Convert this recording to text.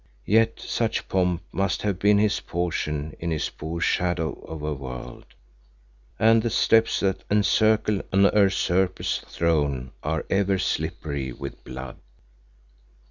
Yet such pomp must have been his portion in this poor shadow of a world, and the steps that encircle an usurper's throne are ever slippery with blood.